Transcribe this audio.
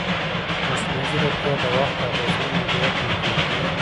مصنوعي ځیرکتیا د وخت اغېزمن مدیریت ممکن کوي.